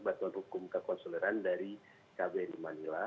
bantuan hukum kekonsuleran dari kbri manila